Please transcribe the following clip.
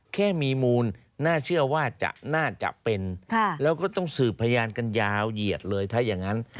แค่มีมูลน่าเชื่อว่าน่าจะเป็นแล้วก็ต้องสืบพยานกันยาวเหยียดเลยถ้าอย่างนั้น